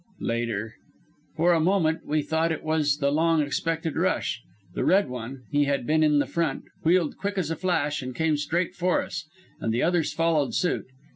"Later. For a moment we thought it was the long expected rush. The Red One he had been in the front wheeled quick as a flash and came straight for us, and the others followed suit.